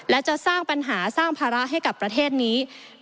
และจะสร้างปัญหาสร้างภาระให้กับประเทศนี้